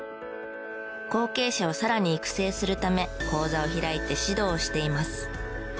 後継者をさらに育成するため講座を開いて指導をしています。